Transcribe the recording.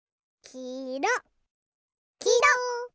きいろ！